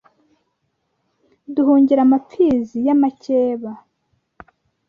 Duhungira amapfizi y’amakeba,